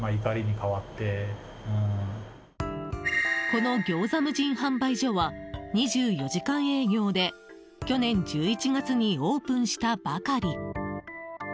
このギョーザ無人販売所は２４時間営業で去年１１月にオープンしたばかり。